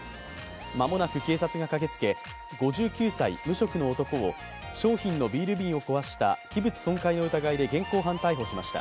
間もなく警察が駆けつけ、５９歳、無職の男を商品のビール瓶を壊した器物損壊の疑いで現行犯逮捕しました。